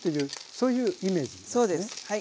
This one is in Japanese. そうですはい。